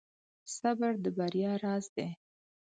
• صبر د بریا راز دی.